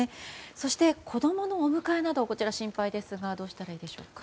そして、子供のお迎えなどが心配ですがどうしたらいいでしょうか？